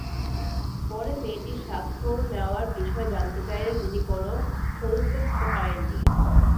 পরে মেয়েটির স্বাক্ষর নেওয়ার বিষয়ে জানতে চাইলে তিনি কোনো সদুত্তর দিতে পারেননি।